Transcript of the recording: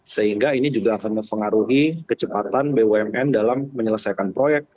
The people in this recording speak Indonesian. sehingga ini juga akan mempengaruhi kecepatan bumn dalam menyelesaikan proyek